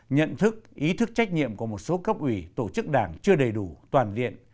nhận thức ý thức trách nhiệm của một số cấp ủy tổ chức đảng chưa đầy đủ toàn diện